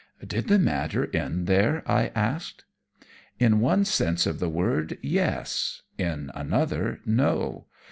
"Did the matter end there?" I asked. "In one sense of the word, yes in another, no.